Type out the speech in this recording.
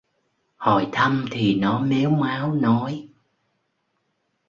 Hỏi thăm thì nó mếu máo nói